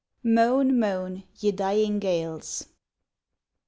MOAN, MOAN, YE DYING GALES.